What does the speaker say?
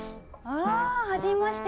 あぁはじめまして！